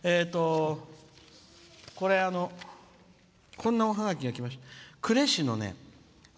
こんな、おハガキが来ました。